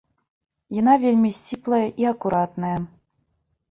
Яна вельмі сціплая і акуратная.